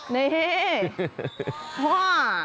นี่ว่า